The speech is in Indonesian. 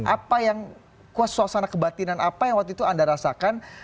apa yang suasana kebatinan apa yang waktu itu anda rasakan